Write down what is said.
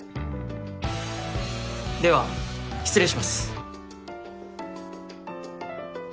では失礼します。